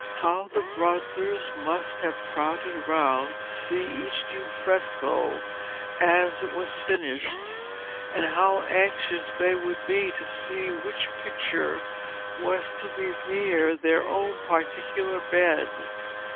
How the brothers must have crowded round to see each new fresco as it was finished, and how anxious they would be to see which picture was to be near their own particular bed.